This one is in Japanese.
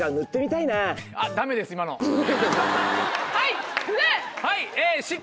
はい！